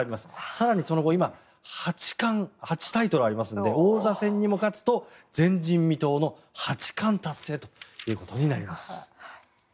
更にその後、今、八冠８タイトルありますので王座戦にも勝つと前人未到の八冠達成となります。